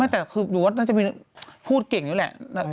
แต่คือหนูว่าน่าจะมีพูดเก่งอยู่แหละ